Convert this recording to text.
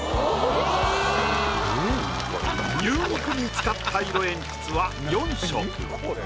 牛肉に使った色鉛筆は４色。